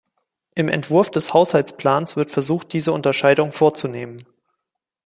Im Entwurf des Haushaltsplans wird versucht, diese Unterscheidung vorzunehmen.